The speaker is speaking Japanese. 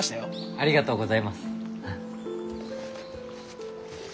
ありがとうございます。